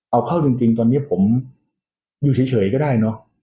เอาเข้าจริงตอนนี้ผมอยู่เฉยก็ได้เนอะ